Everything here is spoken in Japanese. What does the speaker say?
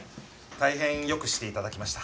大変よくして頂きました。